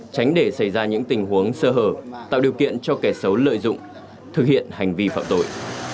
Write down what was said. tránh để xảy ra những tình huống sơ hở tạo điều kiện cho kẻ xấu lợi dụng thực hiện hành vi phạm tội